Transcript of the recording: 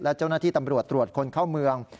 และเจ้าหน้าที่ตำรวจตรวจคนเข้าเมือง